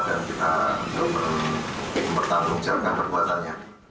dan kita menangkap dan kita bertanggung jawabkan perbuatannya